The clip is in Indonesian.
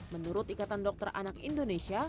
menurut ikatan dokter anak indonesia